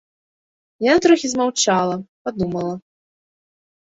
Яна троху змаўчала, падумала.